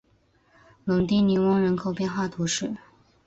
龙提尼翁人口变化图示